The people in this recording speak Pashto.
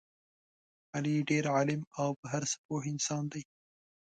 علي ډېر عالم او په هر څه پوه انسان دی.